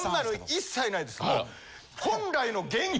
一切ないです。